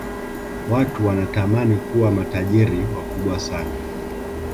watu wanatamani kuwa matajiri wakubwa sana